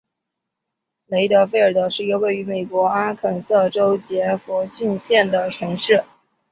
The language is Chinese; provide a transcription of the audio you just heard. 雷德菲尔德是一个位于美国阿肯色州杰佛逊县的城市。